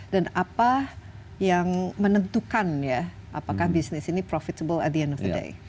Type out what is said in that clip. dan apa yang menentukan ya apakah bisnis ini profitable at the end of the day